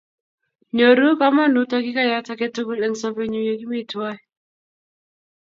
Nyoru kamanut takikayat ake tugul eng' sobennyu ye ki mi twai.